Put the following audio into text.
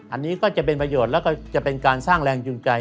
อันนี้ก็จะเป็นประโยชน์แล้วก็จะเป็นการสร้างแรงจูงใจ